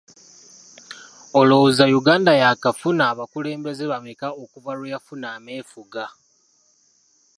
Olowooza Uganda yaakafuna abakulembeze bammeka okuva lwe yafuna ameefuga?